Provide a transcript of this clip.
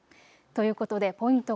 ということでポイント